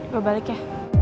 gue balik ya